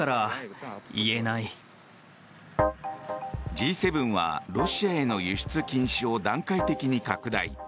Ｇ７は、ロシアへの輸出禁止を段階的に拡大。